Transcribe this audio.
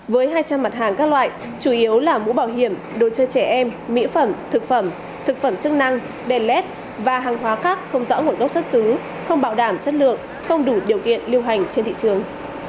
với hai trăm linh mặt hàng các loại chủ yếu là mũ bảo hiểm đồ chơi trẻ em mỹ phẩm thực phẩm thực phẩm chức năng đèn led và hàng hóa khác không rõ nguồn gốc xuất xứ không bảo đảm chất lượng không đủ điều kiện lưu hành trên thị trường